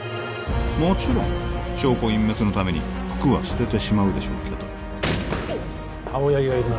もちろん証拠隠滅のために服は捨ててしまうでしょうけど青柳がいるな